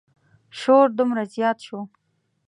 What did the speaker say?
شور دومره زیات شو.